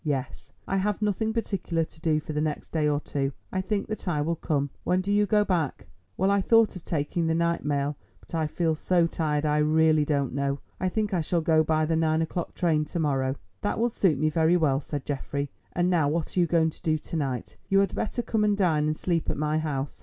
"Yes, I have nothing particular to do for the next day or two. I think that I will come. When do you go back?" "Well, I thought of taking the night mail, but I feel so tired. I really don't know. I think I shall go by the nine o'clock train to morrow." "That will suit me very well," said Geoffrey; "and now what are you going to do to night? You had better come and dine and sleep at my house.